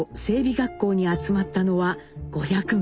学校に集まったのは５００名。